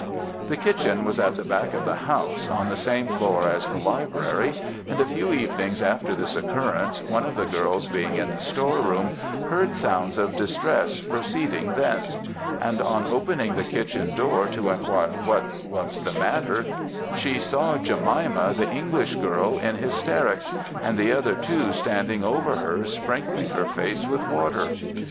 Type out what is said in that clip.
"The kitchen was at the back of the house, on the same floor as the library, and a few evenings after this occurrence, one of the girls being in the store room, heard sounds of distress proceeding thence; and on opening the kitchen door, to inquire what was the matter, she saw Jemima, the English girl, in hysterics, and the other two standing over her, sprinkling her face with water.